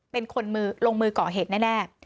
เป็นคนลงมือก่อเหตุแน่